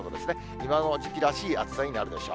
今の時期らしい暑さになるでしょう。